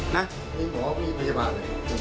หมอพี่พยาบาล